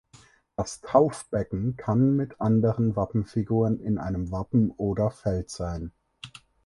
Das Taufbecken kann mit anderen Wappenfiguren in einem Wappen oder Feld sein.